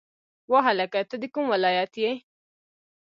وا هلکه ته د کوم ولایت یی